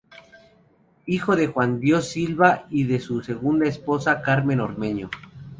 Hijo de Juan de Dios Silva y de su segunda esposa, Carmen Ormeño.